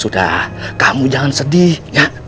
sudah kamu jangan sedih